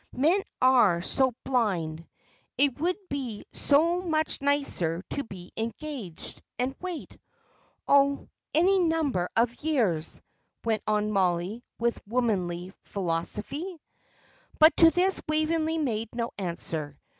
Men are so blind. It would be so much nicer to be engaged, and wait oh, any number of years," went on Mollie, with womanly philosophy. But to this Waveney made no answer.